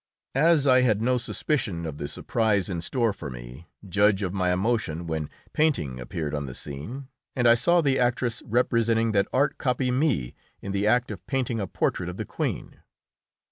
As I had no suspicion of the surprise in store for me, judge of my emotion when Painting appeared on the scene and I saw the actress representing that art copy me in the act of painting a portrait of the Queen.